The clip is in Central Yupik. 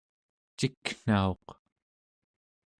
ciknauq